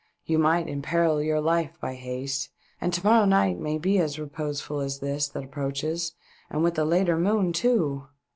You might imperil your life by haste — and to morrow night may be as reposeful as this that approaches, and with a later moon too